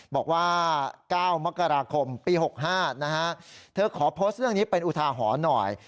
บอกว่า๙มกราคมปี๖๕นะฮะเธอขอโพสต์เรื่องนี้เป็นอุทาหรณ์หน่อย